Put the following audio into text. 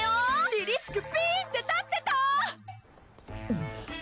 りりしくピーンって立ってた！